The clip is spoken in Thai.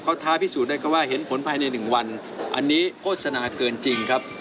เขาท้าพิสูจนได้ก็ว่าเห็นผลภายใน๑วันอันนี้โฆษณาเกินจริงครับ